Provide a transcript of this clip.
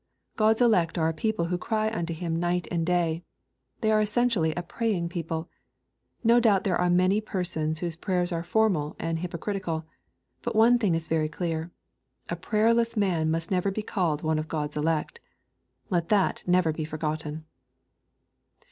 God's elect are a people who " cry unto Him night^and day." They are essentially a praying people. No doubt there^are many persons whose prayers are formal and hypocritical. But one thing is very clear, — a prayerless man must never be called one of God's elect. Let that never be forgotten.